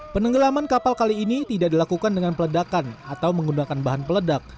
penenggelaman kapal kali ini tidak dilakukan dengan peledakan atau menggunakan bahan peledak